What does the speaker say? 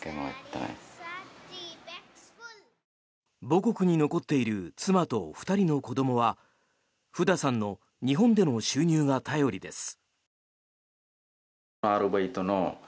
母国に残っている妻と２人の子どもはフダさんの日本での収入が頼りです。